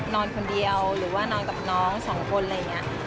นอนคนเดียวหรือว่านอนกับน้องสองคนอะไรอย่างนี้